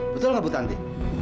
betul gak bu tanti